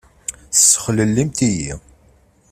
Tessexlellimt-iyi!